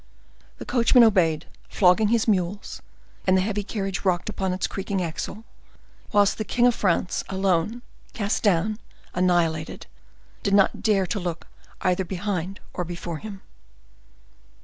The coachman obeyed, flogging his mules, and the heavy carriage rocked upon its creaking axle, whilst the king of France, alone, cast down, annihilated, did not dare to look either behind or before him.